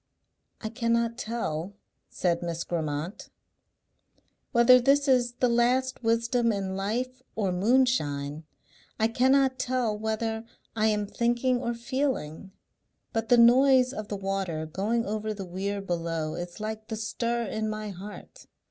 "I cannot tell," said Miss Grammont, "whether this is the last wisdom in life or moonshine. I cannot tell whether I am thinking or feeling; but the noise of the water going over the weir below is like the stir in my heart.